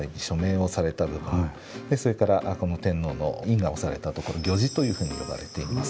それからこの天皇の印が押されたところ御璽というふうに呼ばれています。